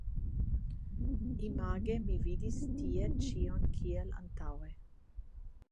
Image mi vidis tie ĉion kiel antaŭe.